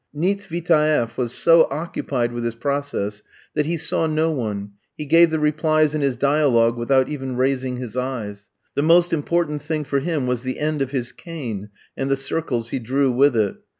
Nietsvitaeff was so occupied with his process that he saw no one, he gave the replies in his dialogue without even raising his eyes. The most important thing for him was the end of his cane, and the circles he drew with it.